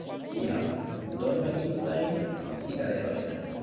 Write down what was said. Tiam, donu egiptajn cigaredojn.